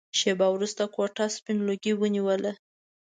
شېبه وروسته کوټه سپين لوګي ونيوله.